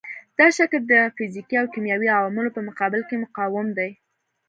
دا شکل د فزیکي او کیمیاوي عواملو په مقابل کې مقاوم دی.